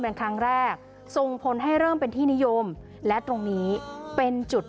เป็นครั้งแรกส่งผลให้เริ่มเป็นที่นิยมและตรงนี้เป็นจุด